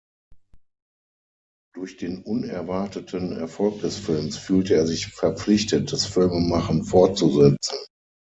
Durch den unerwarteten Erfolg des Films fühlte er sich verpflichtet, das Filmemachen fortzusetzen.